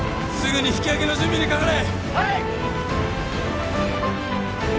すぐに引きあげの準備にかかれはい！